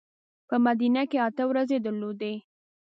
په مدینه کې اته ورځې درلودې.